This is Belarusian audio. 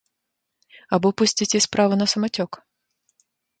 Або пусціце справу на самацёк?